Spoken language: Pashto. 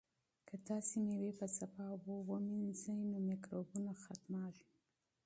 که تاسي مېوې په پاکو اوبو ومینځئ نو مکروبونه یې ختمیږي.